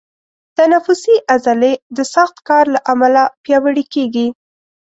تنفسي عضلې د سخت کار له امله پیاوړي کېږي.